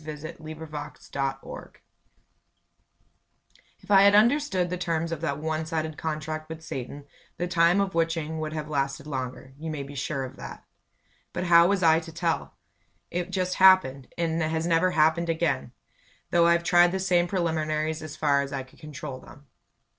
WHEN I WAS A WITCH If I had understood the terms of that one sided contract with Satan, the Time of Witching would have lasted longer you may be sure of that. But how was I to tell? It just happened, and has never happened again, though I've tried the same preliminaries as far as I could control them.